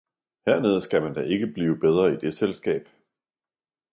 »Hernede skal man da ikke blive bedre i det Selskab!